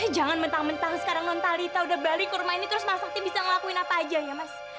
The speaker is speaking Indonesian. jangan mentang mentang sekarang nontalita udah balik ke rumah ini terus mas sakti bisa ngelakuin apa aja ya mas